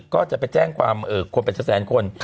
ก็จะไปแจ้งความคนเป็นแสนคน